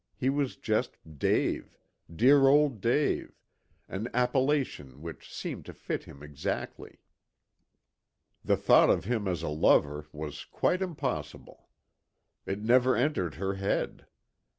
He was just Dave dear old Dave, an appellation which seemed to fit him exactly. The thought of him as a lover was quite impossible. It never entered her head.